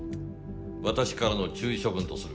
私からの注意処分とする。